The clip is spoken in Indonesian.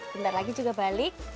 bentar lagi juga balik